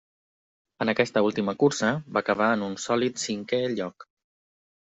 En aquesta última cursa, va acabar en un sòlid cinquè lloc.